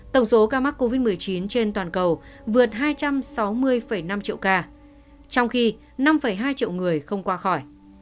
tổng số ca mắc covid một mươi chín trên toàn cầu vượt hai trăm sáu mươi năm triệu ca trong khi năm hai triệu người không qua khỏi